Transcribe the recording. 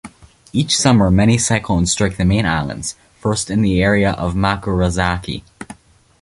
Each summer many cyclones strike the main islands first in the area of Makurazaki.